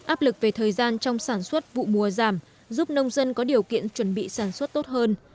áp lực về thời gian trong sản xuất vụ mùa giảm giúp nông dân có điều kiện chuẩn bị sản xuất tốt hơn